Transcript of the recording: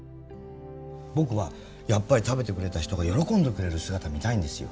僕はやっぱり食べてくれた人が喜んでくれる姿見たいんですよ。